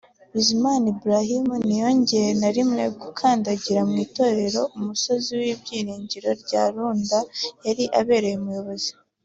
Bizimana Ibrahim ntiyongeye na rimwe gukandagira mu itorero Umusozi w’Ibyiringiro rya Runda yari abereye umuyobozi